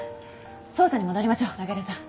捜査に戻りましょう仲井戸さん。